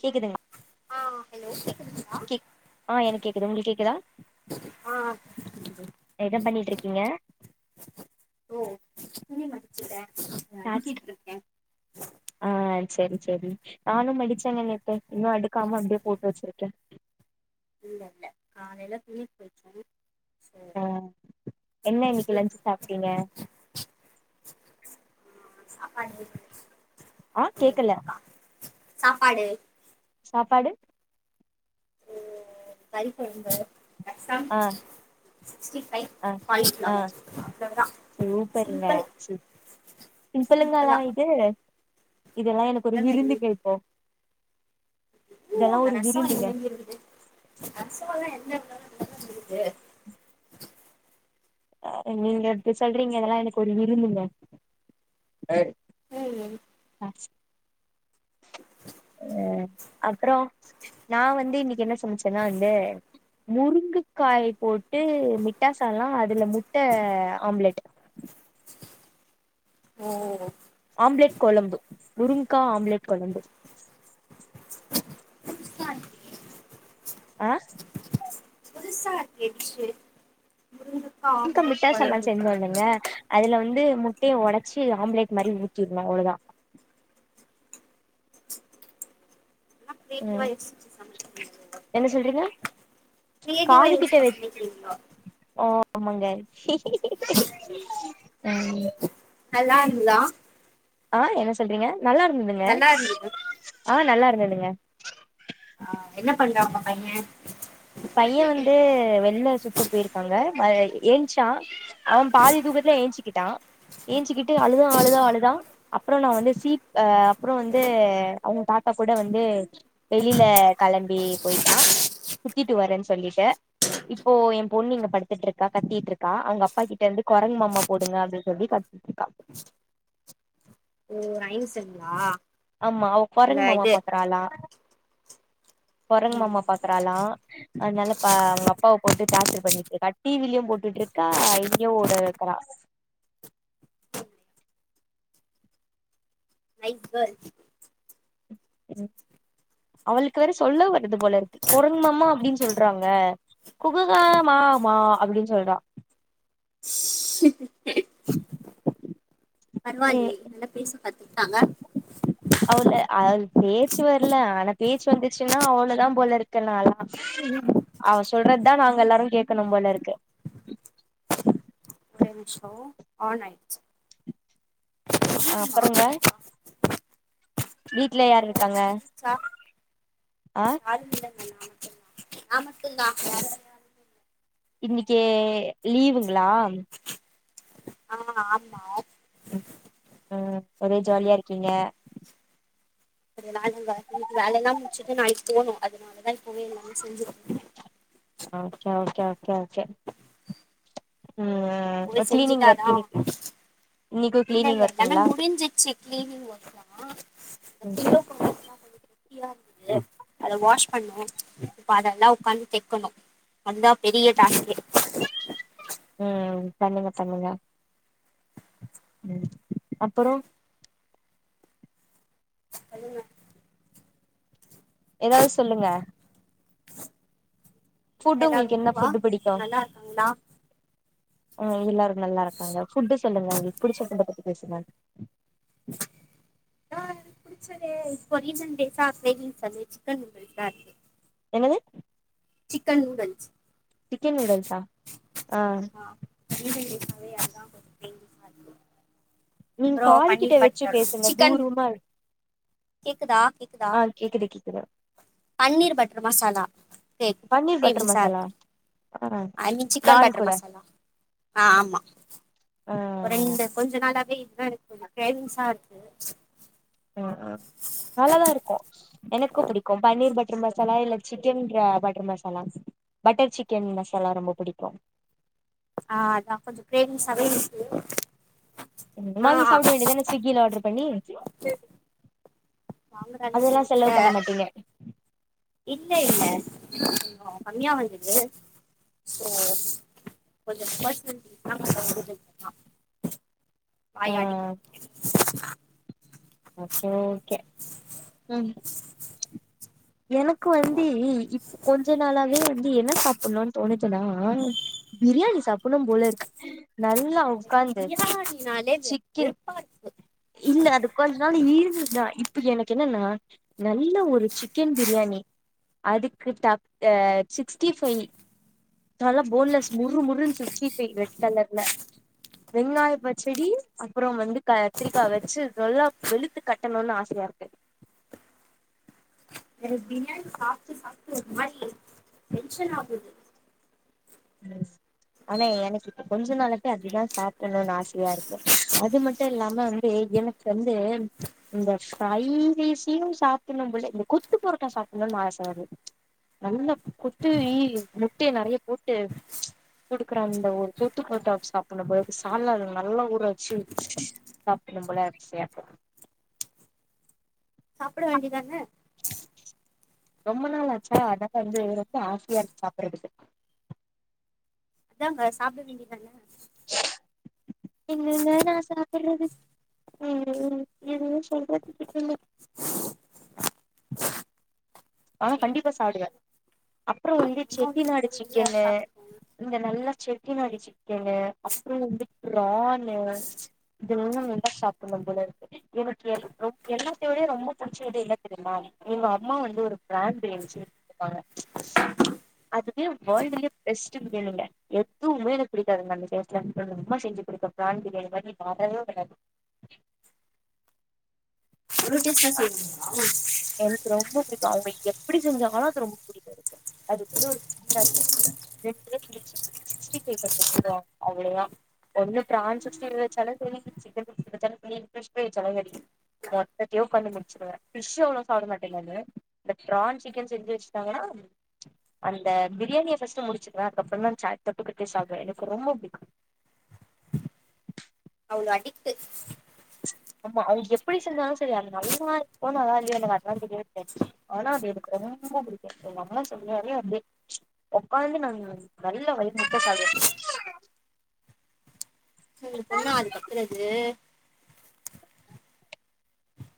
கேக்குதுங் ஆ ஹலோ கேக்குதுங்களா கேக் ஆ எனக் கேக்குது உங்களுக் கேக்குதா? ஆ கேக்குது என்ன பண்ணிட்டுருக்கீங்க? ஓ துணி மடிச்சுட்ட டாஸ்ட் ஆன் செரி செரி நானு மடிச்சங்க நேத்து இன்னு அடுக்காம அப்டே போட்டு வச்சிருக்க. இல்ல இல்ல காலேல துணி துவச்சே ஆ என்ன இன்னக்கி அதுக்கு லஞ்சு சாப்ட்டீங்க ஆ சாப்பாடு ஆ கேக்கல சாப்பாடு சாப்பாடு ம் கறி கொழம்பு ரசம் ஆ சிக்ஸ்டி ஃபைவ் ஆ ஆ காலிஃப்ளவர் அவ்ளோதா சூப்பருங்க சிம்பிள் பிம்பலங்கா லா சிம்பிளா இது இதெல்லா எனக்கு ஒரு விருந்துங்க இப்போ இதெல்லா இவ்ளோல ஒரு ரசோ விருந்துங்க என்னங்கறது ரசோ எல்லா என்ன ஏதோ என்னால முடியிறது ஆ நீங்க இப்டி சொல்றீங்க இதெல்லா எனக்கு ஒரு விருந்துங்க ஏய் ம்ம் அஹ் ஆ அப்பறோ நா வந்து இன்னக்கி என்ன சமைச்சேனா வந்து முருங்கக்காய் போட்டு மிட்டாசால்லா அதுல முட்ட ஆம்லேட் ஓ ஆம்லேட் கொழம்பு முருங்க்கா ஆம்லேட் கொழம்பு புதுசா இருக்கே ஆ புதுசா இருக்கே டிஷ்ஷு முருங்கக்கா இங்க ஆம்லெட் முட்ட சாதோ கொழம்பு செஞ்சோ இல்லங்க அதுல வந்து முட்டைய ஒடச்சி ஆம்லேட் மாரி ஊத்தீறனு அவ்ளதா இது ம் மாரி யோசிச்சி சமைக்க முடியு என்ன சொல்றீங்க கிரியேட்டிவா காது கிட்ட யோசிச்சு வச் சமைக்கிறீங்களா ஆ ஆமாங்க ம் நல்லா இருந்ததா ஆ என்ன சொல்றீங்க நல்லா இருந்ததுங்க நல்லா இருந்தது ஆ நல்லா இரு என்னதுங்க ஆ என்ன பண்றா ஒங்க பையே பைய வந் வந்து வெள்ள சுத்த போயிருக்காங்க மழை எஞ்ச்சா அவ பாதி தூக்கத்லே எஞ்ச்சி கிட்டா எஞ்ச்சிகிட்டு அழுதா அழுதா அழுதா அப்பறோ நா வந்து சீட் ஆ அப்பறோ வந்து அவங்க தாத் தா கூட வந்து வெளில கெளம்பி போயிட்டா சுத்தீட்டு வரேன்னு சொல்லீட்டு இப்போ ஏ பொண்ணு இங்க படுத்துட்ருக்கா கத்தீட்ருக்கா அவுங்க அப்பா கிட்ட இருந்து குரங்கு மாமா போடுங்க அப்டின்னு சொல்லி கத் தீட்ருக்கா ஓ ரைம்ஸ்ங்களா ஆமா அவ குரங்கு மாமா பாக்குறாலா குரங்கு ம் மாமா பாக்குறலா அதனால பா அவுங்க அப்பாவ போட்டு டார்ச்சர் பண்ணீட்டுருக்கா டிவிலயு போட்டுட்டுருக்கா இங்கயு ஓடனு ங்றா [inaudible] இதா அது ம் அவளுக்கு வேற சொல்ல வர்றது போல இருக்கு குரங்குமாமா அப்டின் சொல்றாங்க குககா மா மா அப்டின்னு சொல்றா [inaudible] பரவா ம் இல்லயே நல்லா பேச கத்துகிட்டாங்க அவள அது பேச்சு வரல ஆனா பேச்சு வந்துச்சின்னா அவ்ளதா போல இருக்கு நாலா அவ சொல்றது தா நாங்க எல்லாரு கேட்கணு போல இருக்கு ஒரே நிம்ஷோ ஆன் ஆய்ர்ச்சி அப்புறங்க வீட்ல வேலை யார் வேலை இருக்காங்க ஆ யாரு இல்லங்க நாமட்டுந்தா நா மட்டுந்தா வேற யாரு இல்ல இன்னைக்கு லீவுங்ளா ஆ ஆமா [inaudible] அ ஒரே ஜாலியா இருக்கிங்க அது நானிங்க இன்னைக்கு வேலைலா முடிச்சுட்டு நாளைக் போணு அதனாலதா இப்பவே எல்லாமே செஞ்சு முடிச்ட்ட ஓகே ஓகே ஓகே ஓகே ம் போய் கிளீனிங் ஒர்க் செஞ்சுட்டாதா இன்னைக்கு இன்னைக்கு கிளீனிங் இல்லல்ல எலாமே ஒர்க்குங்களா முடிஞ்சுச்சு கிளீனிங் ஒர்க்லா [inaudible] ம் குட்டியா இருந்துது அத வாஷ் பண்ண இப்ப அதெலா உக்காந்து தெக்கணு அதா பெரிய டாஸ்க்கே ம் பண்ணுங்க பண்ணுங்க ம் அப்பற சொல்லுங்க எதாது சொல்லுங்க வீட்ல ஃபுட் எல்லாரும் உங்ளுக்கு என்ன ஓகேவா ஃபுட் பிடிக்கு நல்லா இருக்காங்களா ம் எல்லாரு நல்லா இருக்காங்க ஃபுட்டு சொல்லுங்க உங்ளுக்கு புடிச்ச ஃபுட்ட பத்தி பேசுங்க ஆ சரி இப்போ ரீசன்ட் டேசா பேகிங் சாண்ட்விச் சிக்கன் பிரியாணி என்னது சிக்கன் நூடுல்ஸ் சிக்கன் நூடுல்ஸா ஆ ஆமா வீக் எண்டு டேஸ்னாவே அதா கொஞ்ச மெய்ன் டிஷ்ஷா இருக்கு நீங்க அப்றோ காது கிட்ட பன்னீர் வச்சு பட்டர் பேசுங்க சிக்கன் தூரமா இரு கேக்குதா கேக்குதா ஆ கேக்குது கேக்குது பன்னீர் பட்டர் மசாலா கே பன்னீர் பட்டர் மசாலா கிரேவிங்சாருக்கு ஆ ஐ மீன் சிக்கன் நான் பட்டர் கூட மசாலா ஆ ஆமா ஆ ஒ ரெண்டு கொஞ்ச நாளாவே இதா எனக் கொஞ்ச கிரேவிங்ஸா இருக்கு ஆ ஆ நல்லாதா இருக்கு எனக்கு பிடிக்கு பன்னீர் பட்டர் மசாலா இல்ல சிக்கன் க பட்டர் மசாலாஸ் பட்டர் சிக்கன் மசாலா ரொம்ப புடிக்கு ஆ அதா கொஞ்ச கிரேவிங்சாவே இருக்கு ம் ஆனா வாங்கி சாப்ட வேண்டிதான ஸ்விக்கில ஆர்டர் பண்ணி வாங்குற அளவுக்கு அதெல்லா என்கிட்ட செலவு பண்ண மாட்டிங்க இல்ல இல்ல இது கொஞ்ச கமியா வந்துது சோ கொஞ்ச பர்ஸ்னல் டீல்ஸ்லா [unintelligible] ஆ வாயாடிக்கு ஓகே ஓகே ம் எனக்கு வந்து இப்ப கொஞ்ச நாளாவே வந்து என்ன சாப்டணுன் தோணுதுனா பிரியாணி சாப்பிடணு போல இருக்கு நல்லா உக்காந்து பிரியாணினாலே சிக்கன் வெறுப்பாருக்கு இல்ல அது கொஞ்ச நாள் இருந்துதுதா இப்ப எனக்கு என்னனா நல்ல ஒரு சிக் கென் பிரியாணி அதுக்கு டாப்ட்ட சிக்ஸ்டி ஃபை நல்லா போன்லஸ் முரு முருனு சிக்ஸ்டி ஃபை ரெட் கலர்ல வெங்காய பஜ்ஜடி அப்றம் வந்து கத்திரிக்கா வச்சு நல்லா வெளுத்து கட்டணுன் ஆச யாருக்கு [inaudible] எனக்கு பிரியாணி சாப்ட்டு சாப்ட்டு ஒரு மாரி டென்ஷன் ஆகுது [unintelligible] ஆனா எனக்கு இப்ப கொஞ்ச நாளத்த அப்டிதா சாப்டணுன் ஆசையா இருக்கு அது மட்டு இல்லாம வந்து எனக்கு வந்து இந்த ஃப்ரை ரைஸையு சாப்டணு போல இந்த கொத்து பொரோட்டா சாப்படணுன் ஆச வருது நல்ல கொத்துறி முட்டைய நெறைய போட்டு குடுக்கற அந்த ஒரு கொத்து புரோட்டா வெச்சு சாப்பட்ணு போலருக்கு சால்னால நல்லா ஊற வச்சு [unintelligible] சாப்பிட வேண்டிதானே ரொம்ப நாள் ஆச்சா அதா வந்து ரொம்ப ஆசயாருக்கு சாப்றதுக்கு அதாங்க சாப்பிட வேண்டிதான எங்கேங்க நா சாப்பறது ம் எதுவு சொல்றக்கில்ல [inaudible] ஆ சரி கண்டிப்பா சாப்டுவே அ ப்றோ வந்து அம்மா வீட்டுக்கு செட்டிநாடு போவீங்கல்ல சிக்கனு சாப்ட்டுக்கோங்க இந்த நல்ல செ ட்டிநாடு சிக்கனு அப்றோ வந்து ப்ரான்னு இது இன்னும் நல்லா சாப்பட்ணு போலருக்கு எனக்கு எல் ஓ எல்லாத்தையு விட ரொம்ப புடிச்ச இது என்ன தெரிமா எங்க அம்மா வந்து ஒரு பிரான் பிரியாணி செஞ்சு குடுத்தாங்க அதுவே வேல்டுலே பெஸ்ட் பிரியாணிங்க எத்துமே எனக்கு புடிக்காதுங்க அந்த டேஸ்ட்லருந்து எங்க அம்மா செஞ் குடுத்த ப்ரான் பிரியாணி மாரி வரவே வராது [unintelligible] செய்வீங்ளா எனக்கு ரொம்ப புடிக்கு அவ்ங்க எப்டி செஞ்சாளு அது ரொம்ப புடிக்கு எனக்கு அது கூட [inaudible] [unintelligible] சிக்ஸ்டி பைவ் பண்ணி வச்சுருவாங் அவ்ளோ தா ஒன்னு பிரான் சிஸ்டி பைவ் வெச்சாலு செரி சிக்கன் சிஸ்டி பைவ் வெச்சாலு செரி பிஸ் பிரை வெச்சாலு ரெடி மொத்ததையு பண்ணி முடிச்சுருவே ஃபிஷ் அவ்ளவ் சாப்பிட மாட்டே நானு அந்த பிரான் சிக்கன் செஞ்சு வெச்சிட்டாங்கன்னா அந்த பிரியாணிய பஸ்டு வ புடிச்சிக்குறே அதுக்கப்றந்தா சேட் தொட்டுகிட்டே சாப்டுவே எனக்கு ரொம்ப புடிக்கு அவ்ளோ அடிக்ட்டு ஆமா அவ்ங்க எப்டி செஞ்சாலு செரி அது நல்லா இருக்குக்கோ நல்லால்லையோ எனக்கு அதெல்லா தெரியாவே தெரியாது ஆனா அது எனக்கு ரொம் ரொம்ப பிடிக்கு எங்கம்மா செஞ்சாலே அப்டியே ஒக்காந்து நாங் நல்லா வயிர்முட்ட சாப்டுவே உங்க பொண்ணா அது கத்துறது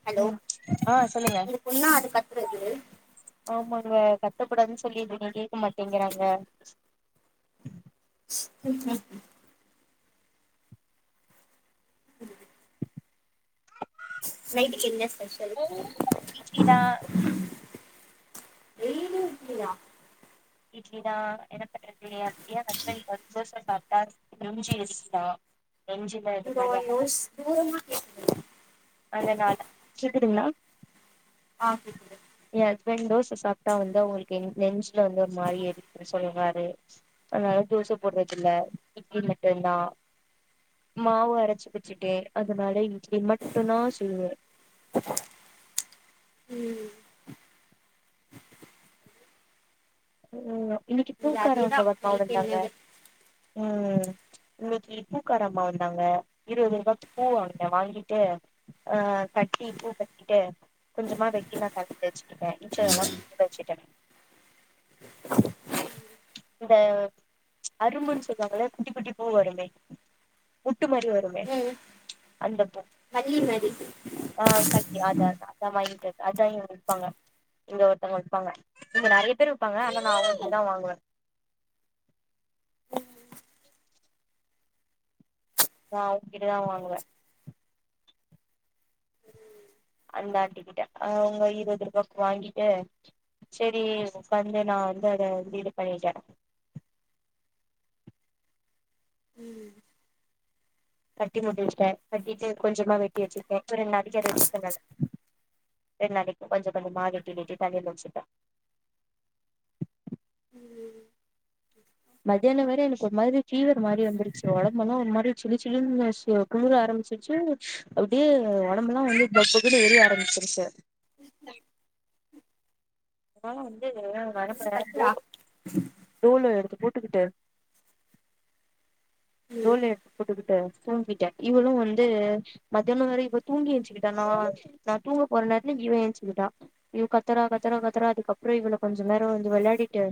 ஹலோ ம் ஆ சொல்லுங்க உங்க பொண்ணா அது கத்துறது ஆமா ங்க கத்தக்கூடாதுன் சொல்லின்ட்ருக்கே கேக்க மாட்டேங்கிறாங்க ம் ம் ம் நைட்டுக்கு என்ன ஸ்பெஷல் இட்லிதா [unintelligible] இருக்கிலியா இட்லி தா என்ன பண்றது எ எ ஹஸ்பண்ட்க்கு வந்து தோச சாப் இதோ [unintelligible] யோஸ் தூரமா கேக்குது அதநாள கேக்குதுங்ளா ஆ கேக்குது எ ஹஸ்பண்ட் தோ ச சாப்ட்டா வந்து அவ்ங்களுக்கு என் நெஞ்சில வந்து ஒரு மாரி எரிய்து சொல்றாரு அதனால தோச போட்ற தில்ல இட்லி மட்டு்ந்தா மாவு அரச்சு வச்சுட்டே அதனால இட்லி மட் டுந்தா சுலுவே ம் ம் இன்னிக்கு இங்க அதேதா பூக்காரவங்க [unintelligible] நைட் வந்தாங்க என்னது ம் இன்னிக்கு பூ காரம்மா வந்தாங்க இருவது ரூபாய்க்கு பூ வாங்குன வாங்கிட்டு ஆ கட்டி பூ கட்டிட்டு கொஞ்சமா வெட்டி நா தலைல வெச்சுகிட்டே மிச்சதெல்லா ஃப்ரிட்ஜ்ல வெச்சிட்டே இந்த அரும்புன் சொல்வாங்கல்ல குட்டி குட்டி பூ வருமே புட்டு மாரி வருமே அந்த பூ மல்லி மாரி ஆ கல்லி அத் தா தா அந்த மாரி டைப் அத் தா இவ்ங்க விப்பாங்க இங்க ஒருத்தவ்ங்க விப்பாங்க இங்க நெறைய பேரு விப்பாங்க ஆனா நா அவ்ங்ககிட்ட தா வாங்குவே நா அவங்கிட்டதா வாங்குவ அந்த ஆன்டிக்கிட்ட அவங்க இருபது ரூபாக்கு வாங்கிட்டு சேரி உட்காந்து நா வந்து அத வந்து இது பண்ணிட்டே ம் கட்டி முட்டிச்சிட்டே கட்டிட்டு கொஞ்சமா வெட்டி வச்சிருக்கே ஒரு ரெண்டு நாளைக்கி அத வச்சுப்பே நானு ரெண்டு நாளைக்கி கொஞ்ச கெஞ்சமா வெட்டி வெட்டி தலைல வச்சிப்பே ம் மதியானோ வேற எனக்கு ஒரு மாரி பீவர் மாரி வந்துருச்சு ஒடம்பேல்லா ஒரு மாரி சில்லு சில்லுனு குளுர ஆரம் ம்பிச்சிருச்சி அப்டியே ஒடம்பு எல்லா வந்து பக்பக்னு ஏரிய ஆரம்பிச்சிருச்சு உஹம் என்னால வந்து உன் நரம்ப பொண்ணு கத்துறா ரோல் ரோலு எடுத்து போட்டுக்கிட்டு ம் ரோல்லு எடுத்து போட்டுக்கிட்டு தூங்கிட்டே இவளு வந்து மதியானோ வேற இவ தூங்கி ஏஞ்சுக்கிட்டா நா ஆ நா தூங்க போற நேரத்துல இவ ஏஞ்ச்சிகிட்ட இவ கத்துறா கத்துறா க த்துறா அதுக்கப்பற இவள கொஞ்ச நேர வந்து வெளாடிட்டு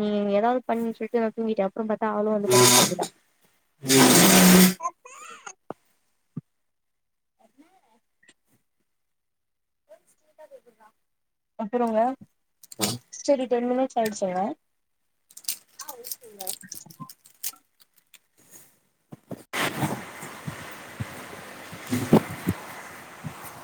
நீ ஏதாவது பண்ணுனு சொல்ட்டு நா தூங்கிட்ட அப்றோ பாத்தா அவ அப்றோ வந்து படுத்து தூங்கிட்டா ம் ஸ்வீட்டா கேக்குதுடா அப்பறோங்க சேரி டென் மினிட்ஸ் ஆயிடுச்சிங்க [inaudible] ஆ ஓகேங்க